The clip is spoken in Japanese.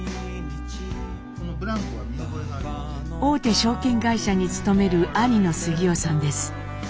大手証券会社に勤める兄の杉男さんです。